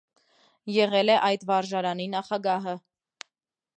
Եղել է այդ վարժարանի նախագահը։